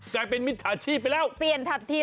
กลายเป็นลูกที่